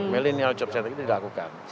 millennial job center ini dilakukan